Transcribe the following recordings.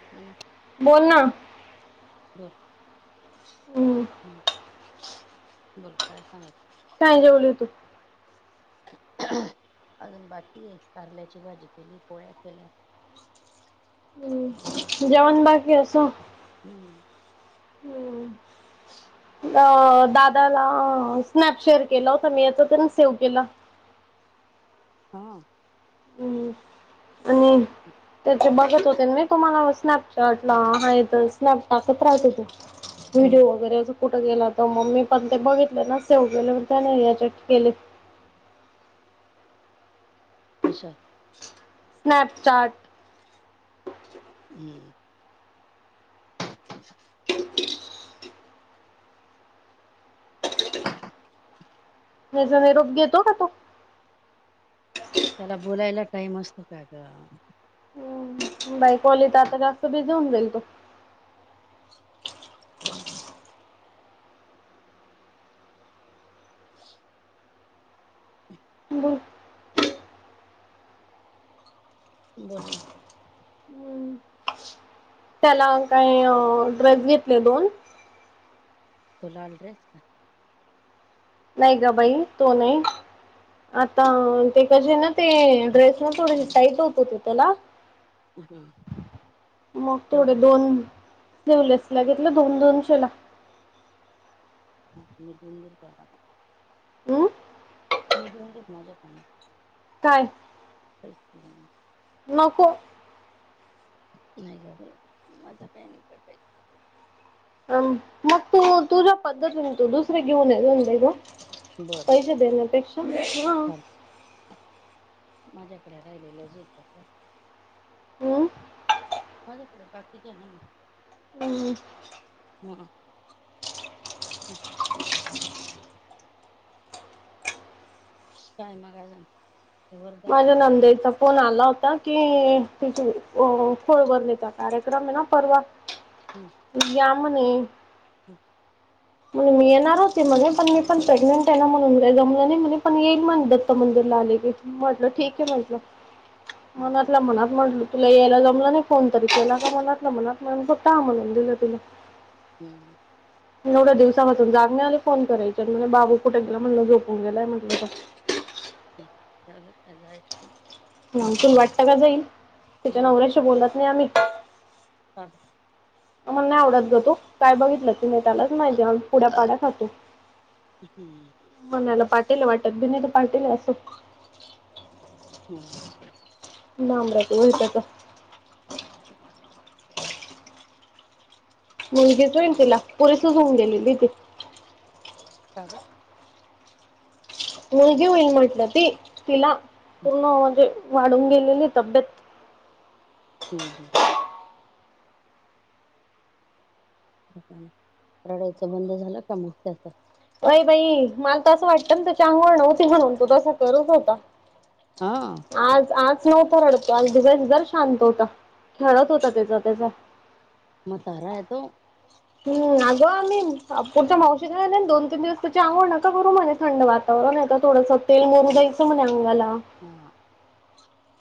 [unintelligible] बोल ना. बोल हम्म बोल काय सांगायच. काय जेवली तू. अजून बाकी आहे. कारल्याची भाजी केली. पोळ्या केल्या. हम्म, जेवण बाकी आहे अस. हम्म हम्म हम्म अ दादाला स्नॅप शेअर केला होता मी. याचा पण सेव्ह केला. हा हम्म, आणि त्याचे बघत होते ना मी. तो मला स्नॅपचॅटला आहे तर, स्नॅप टाकत राहतो तो. हम्म व्हिडिओ वगैरे अस. कुठ गेला त म मी पण ते बघितले ना सेव केले पण त्याने याच्यात केले. कशात? स्नॅपचाट हम्म [inaudible] [inaudible] ह्याचा निरोप घेतो का तू? त्याला बोलायला टाईम असतो काग. हम्म, बायको आली त आता जात बिझी होऊन जाईल तो. [inaudible] बोल बोल ना. हम्म. त्याला काय ड्रेस घेतले दोन. तो लाल ड्रेस नाही गं बाई तो नाही. आता ते कशे ना ते ड्रेस ना थोडे टाईट होत होते त्याला. हम्म मग केवढा थोडे आला दोन- स्लीवलेस ला घेतलं दोन-दोनशे ला. [unintelligible] अ मी [unintelligible] माझ्या [unintelligible] काय? [unintelligible] नको नाही गं बाई माझा [unintelligible] मग तू तुझ्या पद्धतीने तू दुसरे घेऊन ये [unintelligible] बरं पैशे देण्यापेक्षा, हा चालतं माझ्याकडे राहिलेलं [unintelligible] हमं माझ्याकडे बाकीच्या आहेत ना मग. नाही हां ठीक आहे काय [unintelligible] वर्धाची माझ्या बाई आहे नंदेच- फोन आला होता की तिथे फोळभरणीचा कार्यक्रम आहे ना परवा? हम्म. या म्हणे. हम्म. म्हणून मी येणार होते म्हणे पण मी पण प्रेग्नेंट आहे ना, म्हणून काय जमलं नाही म्हणे पण येईल म्हणलं. मंदिर ला आले कि मग म्हटलं हम्म ठीक आहे म्हटलं हम्म म- तुला मनात म्हटल तुला यायला जमलं नाही, फोन तरी केला का मनातला मनात म्हणल टा म्हणून दिलं तिला. हम्म. एवढ्या दिवसामधून जाग नाही आली फोन करायची आणि म्हणे बाबू कुठे गेला मी म्हटलं झोपून गेलाय म्हटलं. झाल काय जायचं नाही. तूला वाटत का जाईल? तिच्या नवऱ्याशी बोलत नाही आम्ही. हां. हा. मला नाही आवडत गं - काय बघितलं तिने त्यालाच माहितीे पुढ्या पाड्या खातो. म्हणायला पाटील आहे वाटत भि नाही तर पाटील असो. हं हं डांबऱ्याच उलट्याच - [unintelligible] मुलगीच होईल तिला पुरेसच होऊन गेलेली ती. का गं? मुलगी होईल म्हटलं ती तिला पूर्ण म्हणजे वाढून गेलेली तब्येत. हम्म हम्म. [unintelligible] रडायचं बंद झालं का मग त्याच होय बाई मला तर असं वाटतं ना, त्याची अंघोळ नव्हती म्हणून तो तसा करत होता. हा आज आज नव्हता रडत तो, आज दिवसभर शांत होता, खेळत होता त्याचा- त्याचा. म्हतारा हाय तो. हं.. अगं आम्हीं पुढच्या मावशीत गेले दोन -तीन दिवस त्याची आघोळ नका करू म्हणे थंडवात. अं होना आता थोडसं तेल मरू द्यायचं म्हणे अंगाला. हा.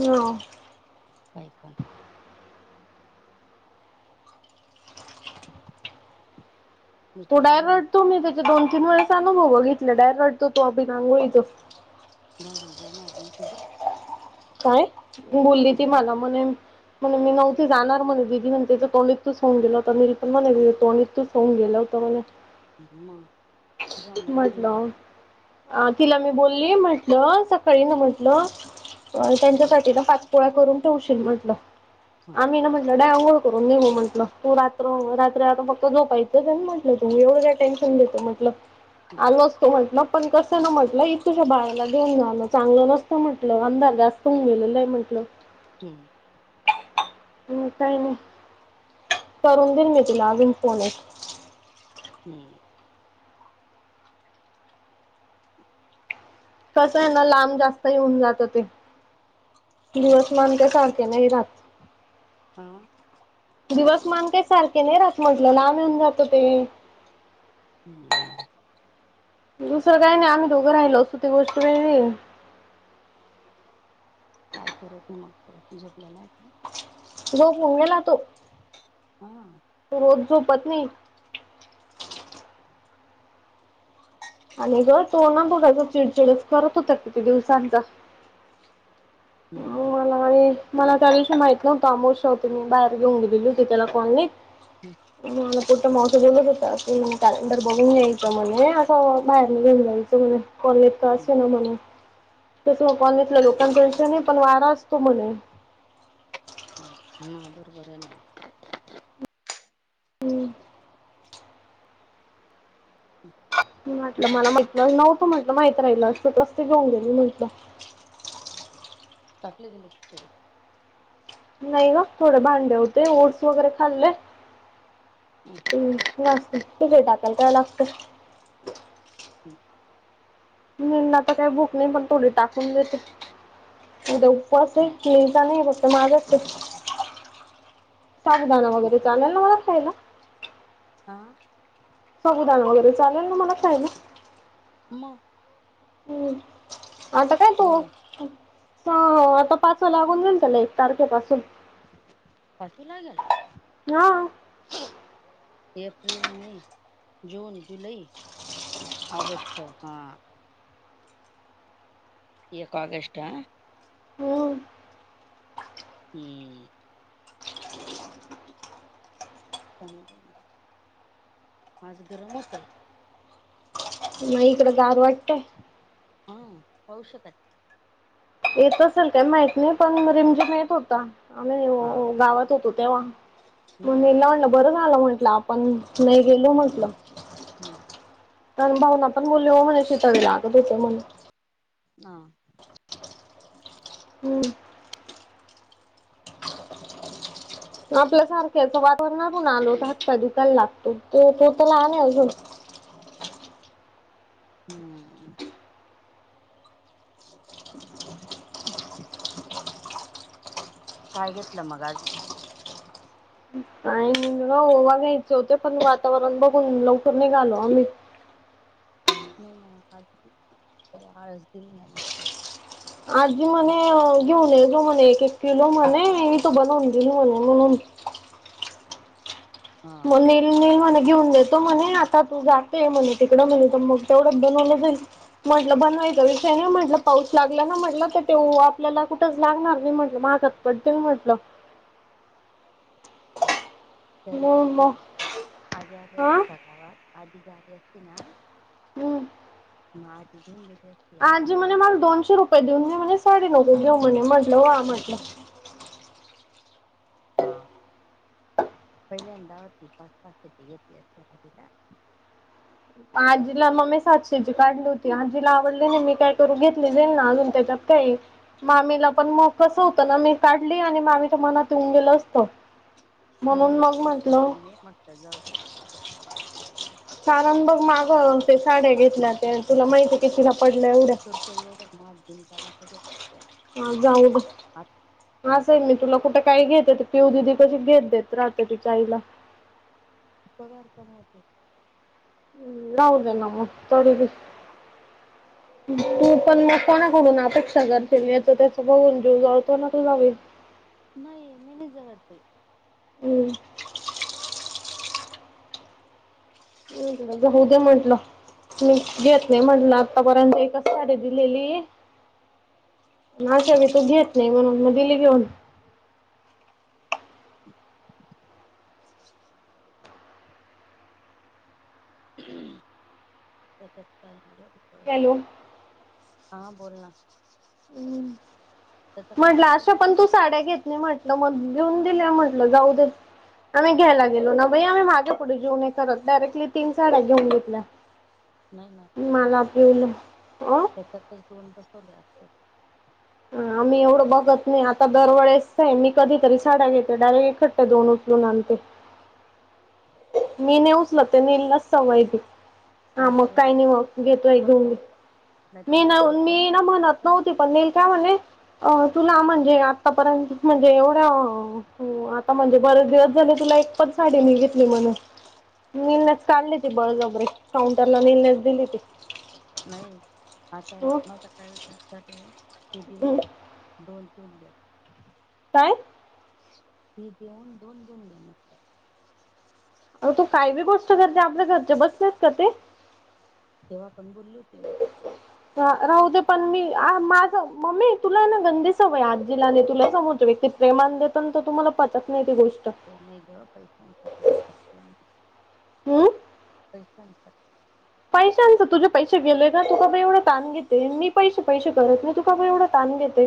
हा. काय पण [inaudible] तो डायर भाऊ रटतो मी त्याच्या दोन -तीन वेळेस अनुभव बघितलं डायरक् रटतो तू आपीांगोळीथं. भाऊंना जाणार नाही ते बरं. काय बोलली ती जाणार मला म्हणे, म्हणे मी नव्हती जाणार म्हणे, दिदी म्हणते कॉलेकटच होऊ गेलं होता मी. म तोणी तू सोडून गेला होतं म्हणे. उग मा म्हटलं अ तिला मी बोलली म्हटलं, सकाळी ना म्हंटलं त्यांच्यासाठीला पाच पोळ्या करून ठेवशील म्हटलं, हा आम्हीं ना म्हटलं नाही अंघोळ करून निघू म्हंटलं, तू रात्र रात्री आता फक्त झोपायचंच आहे ना म्हटलं. त एवढं काय टेन्शन देतो म्हटलं हा आलो असतो म्हटलं पण कसं ना म्हटलं, तुझ्या बाळाला देऊन जाण चांगलं नसतं म्हटलं अंधार जास्त होऊन गेलेला आहे म्हणलं. ह... हं. काही नाही करून देईन मी तिला अजून फोन एक. हं.. कस आहे ना लांब जास्त येऊन जातं ते, दिवस मान काय सारखे नाही रात. हा दिवस मान काही सारखे नाही राहत म्हटलं, लांब येऊन जातं ते. हं.. हं दुसरं काय नाही आम्ही दोघं राहिलो असतो, ती गोष्ट वेगळी हे. काय करती मग तो झोपल्याला आहे का? झोपून गेला तो. हा तो रोज झोपत नाही. [unintelligible] आणि रोज तो ना बघा असं चिडचिडच करत होता किती दिवसांचा. हा... मला आणि मला त्यादिवशी माहित नव्हतं अमोशा होती, मी बाहेर घेऊन गेलेली होती त्याला कॉलनीत हम्म आणि आमच्या पुढच्या मावशी बोलत होत्या तू कॅलेंडर बघून घे. म्हणे असं बाहेर नाही घेऊन जायचं म्हणे, कॉलनीत तर असे ना म्हणे. तसं कॉलनीतल्या लोकांना प्रश्न नाही, पण वारा असतो म्हणे. मग हा बरोबर आहे ना. ह मी म्हटलं मला माहित नव्हतं म्हटलं, माहित राहिलं असतं नसते घेऊन गेली म्हटलं. टाकले गेले नाही ग थोडे भांडे होते, ओट्स वगैरे खाल्ले. [unintelligible] ह नसत तिथे टाकाल त्याला लागत, हम नाही ना आता काही भुक नाही पण थोडी टाकून देते उद्या उ पवास [unintelligible] आणि फक्त माझा असतय. साबुदाणा वगैरे चालेल ना मला खायला. हां. साबुदाणा वगैरे चालेल ना मला खायला? मग. हम् आता काय तू बघ ह आता पाचवा लागून जाइल त्याला एक तारखेपासून. पाचव लागल? हा. एप्रिल, मे, जून, जुलै ऑगस्ट हा. एक ऑगस्ट हा. हम्म हम्म. [unintelligible] माझं गरम होतय. मग इकडं गार वाटतंय. हा, पाऊस येतय? येत असेल काय माहित नाही पण रिमझिम येत होता आम्ही हा गावात हो तो तेव्हा मग मी हम्म हिला म्हलं बरं झालं म्हंटलं आप पण नाही गेलो म्हटलं. हम्म लहान भाऊना पण बोलव म्हणे शतावी ला [unintelligible] म्हण. हा. हम्म. आपल्या सारख्याचं वातावरण अून आलो तर हात पाय दुखाय लागतो तो तर लहान आहे अजून, हम्. [unintelligible] काय घेतलं मग आज? आणि ना ओवा घ्यायचे होते पण वातावरण बघून लवकर निघालो आम्ही. नाही नाही आ आळस दि आजी म्हणे घेऊन येलो म्हणे एक एक किलो म्हणे हिथ बनवून घेल म्हणे म्हणून हा म्हणून एक ती म म्हणे घेऊन येतो म्हणे आता तू जाते म्हणे तिकडं म्हणे तर मग तेवढंच बनवलं जाईल म्हटलं बनवायचा विषय नाही म्हटलं पाऊस लागला ना म्हटलं तर तेव आपल्याला कुठंच लागणार नाही म्हटलं मागात [unintelligible] म्हटलं. तर मग म मग आजी आदी हा असते का गावात आजीजली असती ना हम्म. मग आजी घेऊन घेते. आजी म्हणे मला दोनशे रुपये देऊन मी म्हणजे साडे नऊे घेऊ म्हणे म्हटलं वा म्हटलं. हा पहिल्यांदा [unintelligible] होती पाच पाचती घेतली असते आजीला. आजीला मग मी सातशेची काढली होती आजीला आवडली नाही मी काय करू घेतले जाईल ना अजून त्याच्यात काय मामीला पण मग कस होतं ना मी काढली आणि मामीच्या मनातून गेलो असत. म्हणूनच तुला बोलले मी म्हटलं जाऊ दे. सारण बघ मागं, ते साड्या घेतल्या होत्या, तुला माहिती कीतीला पडल्या एवढ्या. तू तर त्या एवढ्या महाग बिनकामाच्या घेतल्या होत्या. हा जाऊ दे. आसं ही मी तुला कुठे काय घेते पिऊ दिदि कशी घेत देत राहते तिच्या आईला? पगार कमवते. राहू दे ना मग तरिबी. [inaudible] तू पण फक्त मग कोणाला म्हणून अपेक्षा करशील. याचं त्याचा बघून जीव जाळतो ना तुझा बी. नाही, मी नाही जळतं बाई. हम् [inaudible] [inaudible] होऊ दे म्हटलं. मी घेत नाही म्हटलं, आतापर्यंत एकच साडी दिलेलीये. [unintelligible] तू घेत नाही म्हणून मग दिली घेऊन. [inaudible] [unintelligible] हॅलो हा बोल ना. हम्म. त्याचा [inaudible] काय म्हंटलं आवाज असं येत नाही पण तू साड्या घेत नाही म्हटलं मग, घेऊन दिल्या म्हटलं जाऊ देत आम्ही घ्यायला गेलो ना बाई, आम्ही मागे पुढे जीव नाही करत. डायरेटली तीन साड्या घेऊन घेतल्या. [inaudible] नाही ना, [inaudible] मला पिवलं अ त्याच्यातच दोन बसवल्या असत्या. ह आम्ही एवढं बघत नाही. आता दरवेेळेस आहे, मी कधीतरी साड्या घेते डायरेक्ट त्या दोन उचलून आणतो. मी नाही उचलत, ते नीललाच सवये ती. हा मग नाहीतर काही नाही मग घेतोय घेऊन. करतो मी नाहीतर ना, रिटर्न कर मी ना म्हणत नव्हती, पण नी काय म्हणे अ तुला म्हणजे आतापर्यंत म्हणजे, एवढ्या आता म्हणजे, बरेच दिवस झाले तुला एक पण साडी नाही घेतली म्हणे. नीलनेच काढली ती बळजबरीे, काउंटरला निलनेच दिली ती. नाही. आता माझ हम्म काय विचार चालवले, ते देउन दोन [unintelligible] काय? ही देऊन दोन घेऊन घे मग. आव तु काय बी गोष्ट करते. आपल्या घरचे बसलेत का ते? तेव्हा पण बोलली होती मी. हा राहू दे. पण मी माझ, मम्मी तुला ना गंदी सवये, आजीला अन तुला समोरची व्यक्ती प्रेमाने देतन तर तुम्हाला पचत नाही ती गोष्ट. नाही ग, पैशांसाठी जीव टाकतेय मी. हम [unintelligible] पैशांचं तुझे पैसे गेले ना, तु काबर एवढं ताण घेतेयं मी पैसे पैसे करत नाही. तु काबर एवढं ताण घेते.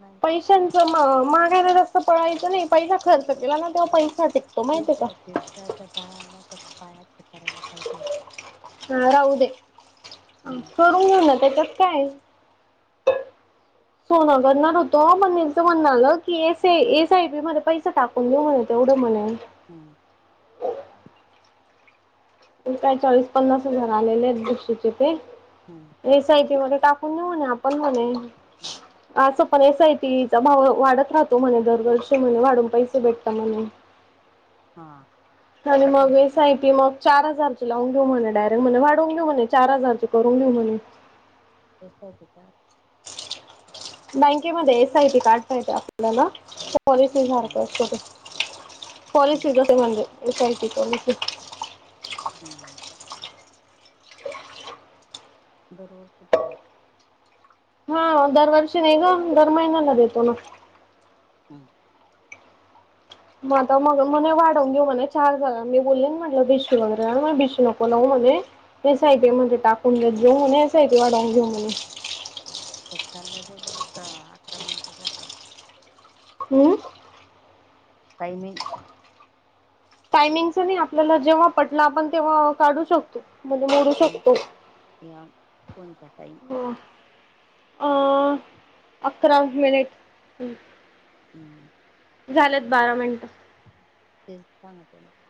नाही. [unintelligible] मागायला जात पळायचं नाही. पैसा खर्च केला ना, तेव्हा पैसा टिकतो माहिती आहे का? ता त्या बाळाला आता पायातले करायला लागत [inaudible] हा राहू दे. [inaudible] हम्म करून घेऊ ना त्याच्यात काय? [inaudible] सोन करणार होत, मग हेच म्हनं आर की म्हणलं की ए ए साय म टाकून होय तेवढं म्हणे. हम्म काय चाळीस पन्नास हजार आलेले आहेत बक्षीचे ते. हां एस आय पी मध्ये टाकून नेऊ आपण म्हणे. हां असं पण एस आयपी चा भाव वाढत राहतो म्हणे दरवर्षी म्हणे वाढून पैसे भेटत म्हणे. हां आणि मग एस आय पी मग. चार हजारचे लावून घेऊ म्हणे., डायरेक्ट म्हणे वाढवून घेऊ म्हणे चार हजारचे करून घेऊ म्हणे. एस आय पि काय. बँकेमध्ये एस आय पी काढता येत आपल्याला, पॉलिसी हम्म सारख असत. हम्म पॉलिसी जस म्हणजे, एस आय पी पॉलिसी. हा बरोबर ते बराय. हा दरवर्षी नाही ग दर महिन्याला देतो ना. हम. मग आता मग म्हणे वाढवून घेऊ म्हणे चार जागा. मी बोलले, म्हटलं, बिशी वगैरे म बिशी नको लावू म्हणे एसआय पि हम्म. मधे ते टाकून घेत जावु मग एस आय पि वाडवुन घे मणे. चाललं जाईल वर अकरा मिनट झावर [inaudible] हम्म. टाईमिंग. टायमिंगच नाही आपल्याला जेव्हा पटला आपण तेव्हा काढू शकतो. मध्ये मोडू हे शकतो या फोनचा टाईम ह. अकरा मिनिट. हम्म. झालेत बारा मिनटं. ते सांगते होते.